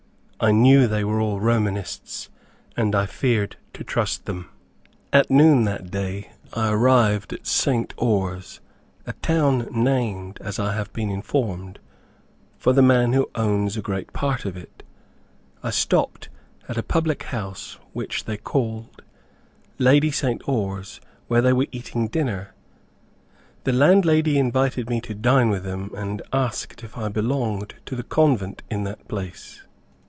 I knew they were all Romanists, and I feared to trust them. At noon that day I arrived at St. Oars, a town, named, as I have been informed, for the man who owns a great part of it. I stopped at a public house, which, they called, "Lady St. Oars," where they were eating dinner. The landlady invited me to dine with them, and asked if I belonged to the convent in that place.